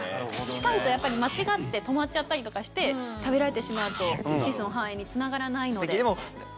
近いとやっぱり間違って止まっちゃったりとかして食べられてしまうと子孫繁栄につながらないので。